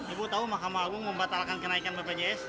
ibu tahu mahkamah agung membatalkan kenaikan bpjs